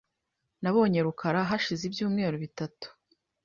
Nabonye rukara hashize ibyumweru bitatu .